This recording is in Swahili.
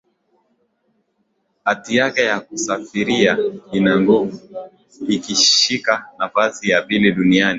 Hati yake ya kusafiria ina nguvu ikishika nafasi ya pili duniani